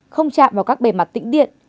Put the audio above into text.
không chạm vào các bề mặt tĩnh điện